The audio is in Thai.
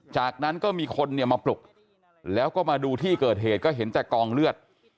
จากนั้นก็มีคนเนี่ยมาปลุกแล้วก็มาดูที่เกิดเหตุก็เห็นแต่กองเลือด